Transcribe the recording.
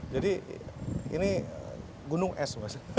jadi ini gunung es